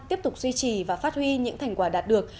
tiếp tục duy trì và phát huy những thành quả đạt được